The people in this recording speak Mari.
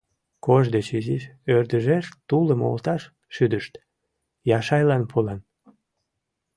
Кож деч изиш ӧрдыжеш тулым олташ шӱдышт, Яшайлан пулан.